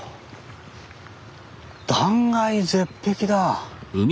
断崖絶壁だ。